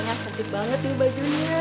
wah sakit banget nih bajunya